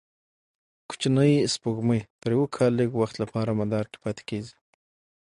کوچنۍ سپوږمۍ تر یوه کال لږ وخت لپاره مدار کې پاتې کېږي.